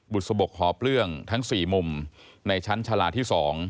สะบกหอเปลื้องทั้ง๔มุมในชั้นชาลาที่๒